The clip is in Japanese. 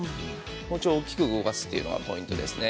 包丁を大きく動かすというのがポイントですね。